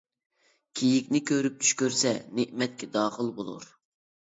كېيىكنى كۆرۈپ چۈش كۆرسە نېمەتكە داخىل بولۇر.